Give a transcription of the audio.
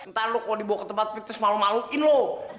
ntar lo kalau dibawa ke tempat fitness malu maluin lo